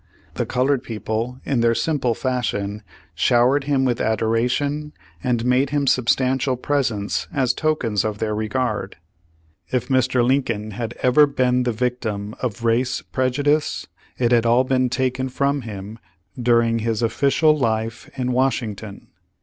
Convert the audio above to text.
The col ored people, in their simple fashion, showered him with adoration, and made him substantial pres ents, as tokens of their regard. If Mr. Lincoln had ever been the victim of race prejudice, it had all been taken from him during his official life in Washington.